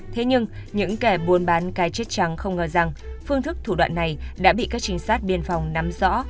thế nhưng những kẻ buôn bán cái chết trắng không ngờ rằng phương thức thủ đoạn này đã bị các trinh sát biên phòng nắm rõ